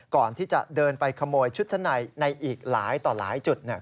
ก่อนที่จะเดินไปขโมยชุดชั้นในในอีกหลายต่อหลายจุด